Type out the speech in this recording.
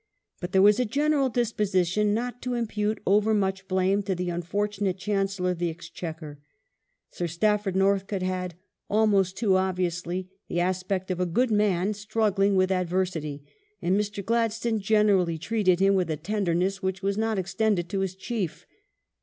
But there was a general disposition not to impute overmuch blame to the unfortunate Chancellor of the Ex chequer. Sir Stafford Northcote had — almost too obviously — the aspect of a good man struggling with adversity, and Mr. Gladstone generally treated him with a tenderness which was not extended to his Chief.